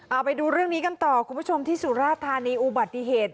เอาไปดูเรื่องนี้กันต่อคุณผู้ชมที่สุราธานีอุบัติเหตุ